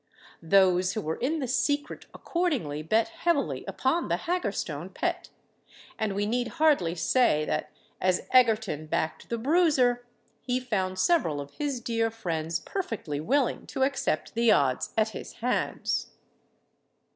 Those who were in the secret accordingly bet heavily upon the Haggerstone Pet; and we need hardly say that, as Egerton backed the Bruiser, he found several of his dear friends perfectly willing to accept the odds at his hands.